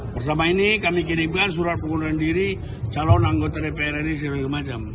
bersama ini kami kirimkan surat pengunduran diri calon anggota dpr ri segala macam